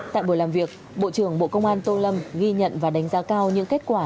tại buổi làm việc bộ trưởng bộ công an tô lâm ghi nhận và đánh giá cao những kết quả